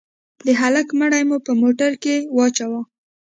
د هلك مړى مو په موټر کښې واچاوه.